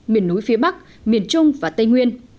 miền núi phía bắc miền trung và tây nguyên